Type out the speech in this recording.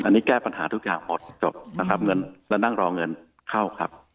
อันนี้แก้ปัญหาทุกอย่างหมดจบนะครับเงินและนั่งรอเงินเข้าครับ